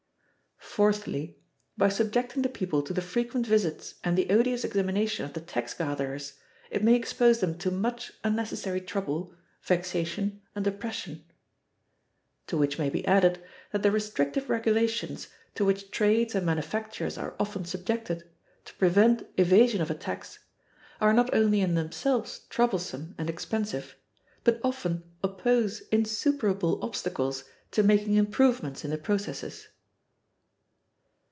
Fourthly, by subjecting the people to the frequent visits and the odious examination of the tax gatherers it may expose them to much unnecessary trouble, vexation, and oppression": to which may be added that the restrictive regulations to which trades and manufactures are often subjected, to prevent evasion of a tax, are not only in themselves troublesome and expensive, but often oppose insuperable obstacles to making improvements in the processes.